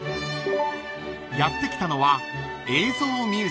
［やって来たのは］